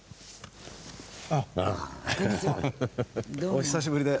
お久しぶりで。